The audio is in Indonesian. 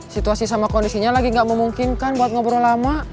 situasi sama kondisinya lagi gak memungkinkan buat ngobrol lama